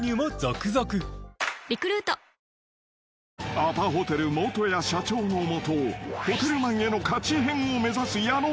［アパホテル元谷社長の下ホテルマンへのカチヘンを目指す矢野］